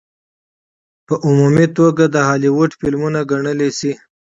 په عمومي توګه د هالي وډ فلمونه ګڼلے شي.